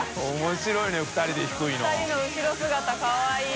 ２人の後ろ姿かわいい。